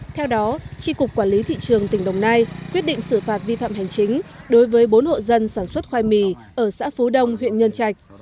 theo đó tri cục quản lý thị trường tỉnh đồng nai quyết định xử phạt vi phạm hành chính đối với bốn hộ dân sản xuất khoai mì ở xã phú đông huyện nhân trạch